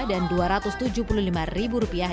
dan dua ratus tujuh puluh lima ribu rupiah